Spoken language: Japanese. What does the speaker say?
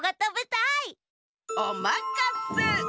おまかせ。